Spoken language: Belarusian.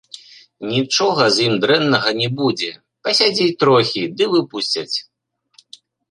Нічога з ім дрэннага не будзе, пасядзіць трохі, ды выпусцяць.